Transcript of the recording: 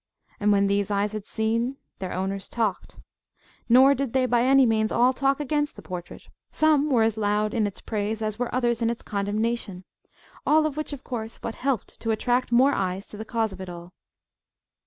And when these eyes had seen, their owners talked. Nor did they, by any means, all talk against the portrait. Some were as loud in its praise as were others in its condemnation; all of which, of course, but helped to attract more eyes to the cause of it all.